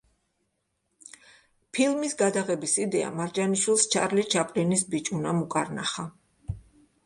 ფილმის გადაღების იდეა მარჯანიშვილს ჩარლი ჩაპლინის „ბიჭუნამ“ უკარნახა.